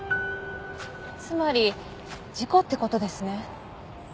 つまり事故って事ですね？